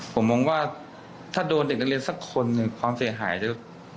ผมมองว่าถ้าโดนเด็กนักเรียนสักคนหนึ่งความเสียหายจะ